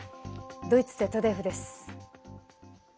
ドイツＺＤＦです。